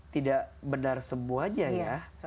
tidak benar semuanya ya